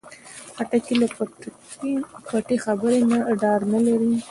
خټکی له پټې خبرې نه ډار نه لري.